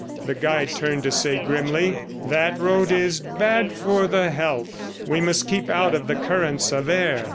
the guide turned to say grimly. "That road is bad for the health. We must keep out of the currents of air."